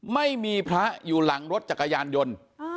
ไม่มีพระอยู่หลังรถจักรยานยนต์